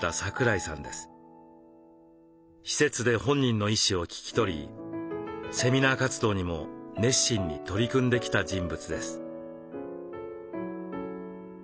施設で本人の意思を聞き取りセミナー活動にも熱心に取り組んできた人物です。